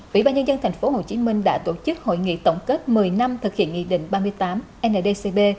vĩ bản nhân dân tp hcm đã tổ chức hội nghị tổng kết một mươi năm thực hiện nghị định ba mươi tám nldcb